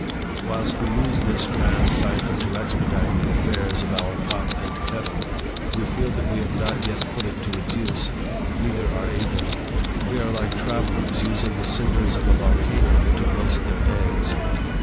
Whilst we use this grand cipher to expedite the affairs of our pot and kettle, we feel that we have not yet put it to its use, neither are able. We are like travellers using the cinders of a volcano to roast their eggs.